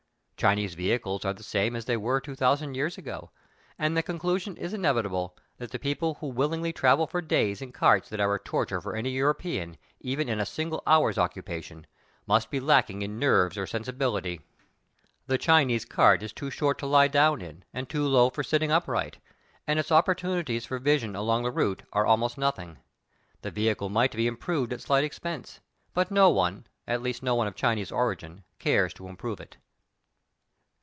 Chinese vehicles are the same as they were two thousand years ago, and the conclusion is inevi table that the people who willingly travel for days in carts that are torture for a European even in a single hour's occupation, must be lacking in nerves or sensibility. The Chinese cart is too short to lie down in and too low for sitting upright, and its opportunities for vision along the route are almost nothing. The vehicle might be improved at slight expense, but no one, at least no one of Chinese origin, cares to improve it.